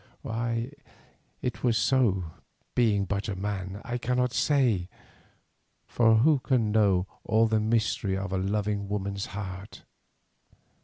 Why it was so, being but a man, I cannot say; for who can know all the mystery of a loving woman's heart?